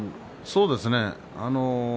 そうですね。